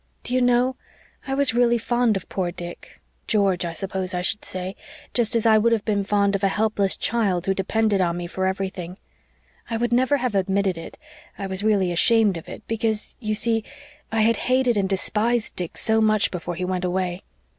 Do you know, I was really fond of poor Dick George, I suppose I should say just as I would have been fond of a helpless child who depended on me for everything. I would never have admitted it I was really ashamed of it because, you see, I had hated and despised Dick so much before he went away.